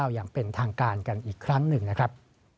อย่างเป็นทางการกันอีกครั้งหนึ่งนะครับ